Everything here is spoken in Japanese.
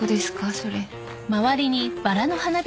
それ。